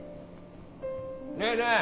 ねえねえ